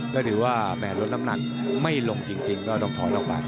ก็ถือว่าแหม่ลดน้ำหนักไม่ลงจริงก็ต้องถอยออกไป